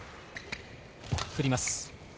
振ります。